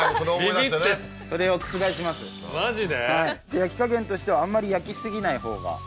焼き加減としてはあんまり焼き過ぎないほうが。